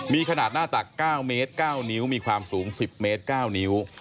มีขนาดหน้าตัก๙เมตร๙นิ้วมีความสูง๑๐เมตร๙นิ้ว